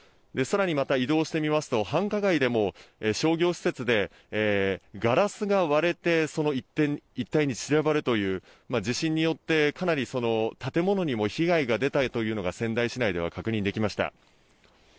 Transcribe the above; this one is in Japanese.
さらに移動してみると繁華街でも商業施設でガラスが割れて一帯に散らばるという地震によって、かなり建物にも被害が出たというのが仙台市内で確認できました。